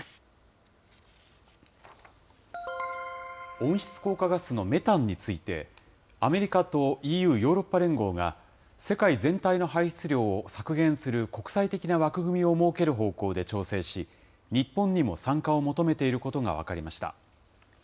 温室効果ガスのメタンについて、アメリカとＥＵ・ヨーロッパ連合が、世界全体の排出量を削減する国際的な枠組みを設ける方向で調整し、日本にも参加を求めていることが分かりました。